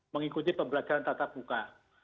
mengikuti pembelajaran tata buka